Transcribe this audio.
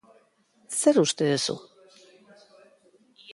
Zer uste duzu?